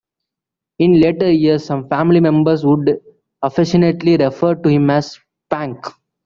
In later years some family members would affectionately refer to him as Spank.